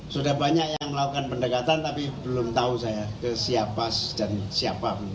sudah banyak yang melakukan pendekatan tapi belum tahu saya ke siapa dan siapa